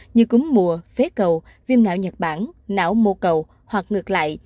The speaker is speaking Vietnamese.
như cúng mùa phế cầu viêm não nhật bản não mô cầu hoặc ngược lại